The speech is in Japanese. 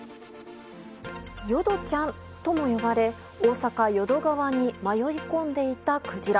よどちゃんとも呼ばれ大阪・淀川に迷い込んでいたクジラ。